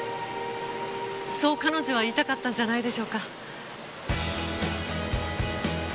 そう彼女は言いたかったんじゃないでしょうか。